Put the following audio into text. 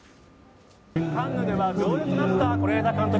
カンヌでは常連となった是枝監督。